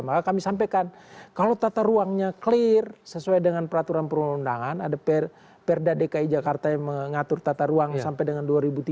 maka kami sampaikan kalau tata ruangnya clear sesuai dengan peraturan perundang undangan ada perda dki jakarta yang mengatur tata ruang sampai dengan dua ribu tiga puluh